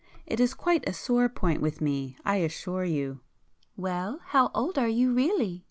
It is quite a sore point with me I assure you." "Well, how old are you really?"